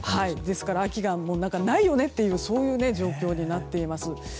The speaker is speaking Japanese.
ですから、秋がないよねっていう状況になってます。